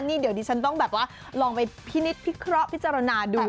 นี่เดี๋ยวดิฉันต้องแบบว่าลองไปพินิษฐพิเคราะห์พิจารณาดู